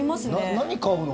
何買うの？